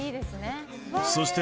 そして。